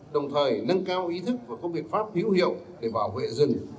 đồng thời nâng cao ý thức và có biện pháp hữu hiệu để bảo vệ rừng